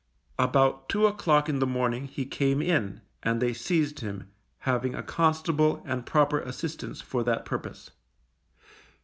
About two o'clock in the morning he came in, and they seized him, having a constable and proper assistance for that purpose.